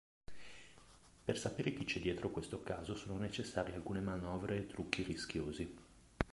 Per sapere chi c'è dietro questo caso sono necessarie alcune manovre e trucchi rischiosi.